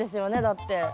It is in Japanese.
だって。